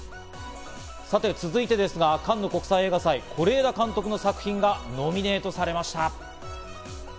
続いてですが、カンヌ国際映画祭、是枝監督の作品がノミネートされました。